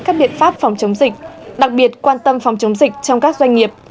các biện pháp phòng chống dịch đặc biệt quan tâm phòng chống dịch trong các doanh nghiệp